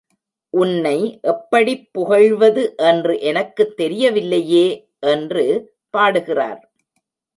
உன்னை எப்படிப் புகழ்வது என்று எனக்குத் தெரியவில்லையே! என்று பாடுகிறார்.